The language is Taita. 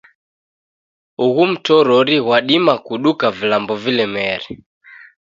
Ughu mtorori ghwadima kuduka vilambo vilemere.